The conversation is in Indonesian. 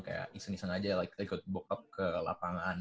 kayaknya sengaja kayak kita ikut bokap ke lapangan